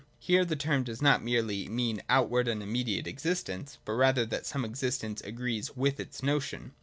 Here the term does not merely mean outward and immediate existence : but rather that some existence agrees with its notion.